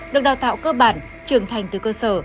được đào tạo cơ bản trưởng thành từ cơ sở